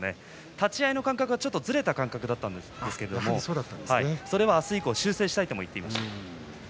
立ち合いの感覚はちょっとずれた感覚だったんですがそれはあす以降、修正したいという話をしていました。